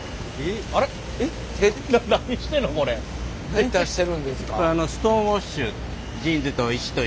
何出してるんですか？